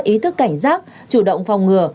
ý thức cảnh giác chủ động phòng ngừa